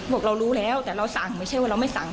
บอกเรารู้แล้วแต่เราสั่งไม่ใช่ว่าเราไม่สั่ง